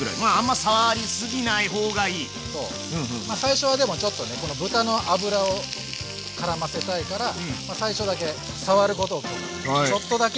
最初はでもちょっとねこの豚の脂をからませたいから最初だけ触ることを許可。